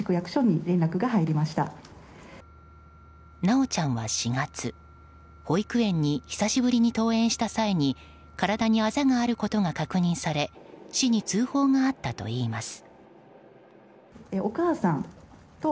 修ちゃんは４月保育園に久しぶりに登園した際に体にあざがあることが確認され市に通報があったといいます。